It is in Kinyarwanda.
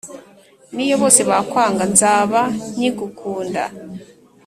niyo bose bakwanga, nzaba nkigukunda